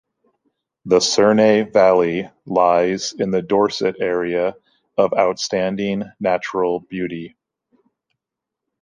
The Cerne Valley lies in the Dorset Area of Outstanding Natural Beauty.